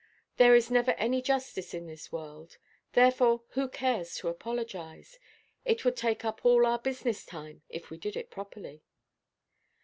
There is never any justice in this world; therefore who cares to apologise? It would take up all our business–time, if we did it properly.